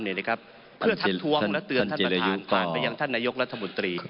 เพื่อทักทวงและเตือนท่านประธานฝากไปยังท่านนายกรัฐมนตรี